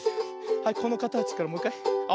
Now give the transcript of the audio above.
はいこのかたちからもういっかい。あわてるよ。